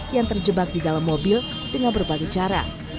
yang terjebak di dalam mobil dengan berbagai cara